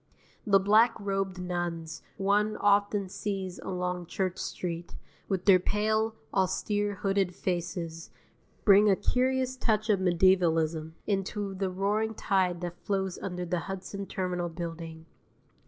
The black robed nuns one often sees along Church Street, with their pale, austere, hooded faces, bring a curious touch of medievalism into the roaring tide that flows under the Hudson Terminal Building.